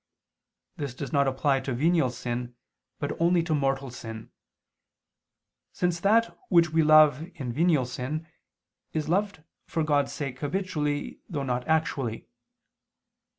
This does not apply to venial sin, but only to mortal sin: since that which we love in venial sin, is loved for God's sake habitually though not actually.